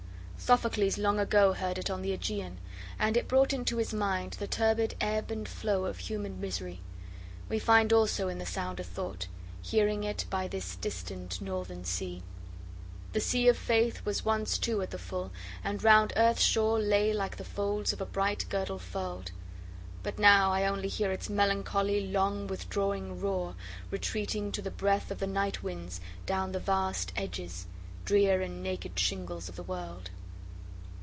Sophocles long agoHeard it on the Ægæan, and it broughtInto his mind the turbid ebb and flowOf human misery; weFind also in the sound a thought, Hearing it by this distant northern sea. The sea of faithWas once, too, at the full, and round earth's shoreLay like the folds of a bright girdle furl'd. But now I only hearIts melancholy, long, withdrawing roar, Retreating, to the breathOf the night winds, down the vast edges drearAnd naked shingles of the world.